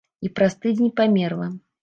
І праз тыдзень памерла.